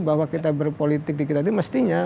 bahwa kita berpolitik di kita itu mestinya